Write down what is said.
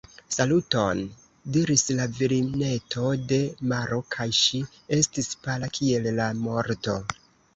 « Saluton », diris la virineto de maro kaj ŝi estis pala kiel la morto.